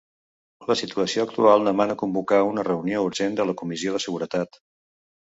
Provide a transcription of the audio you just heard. La situació actual demana convocar una reunió urgent de la comissió de seguretat.